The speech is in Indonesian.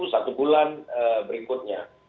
satu bulan berikutnya